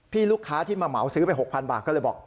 ลูกค้าที่มาเหมาซื้อไป๖๐๐บาทก็เลยบอก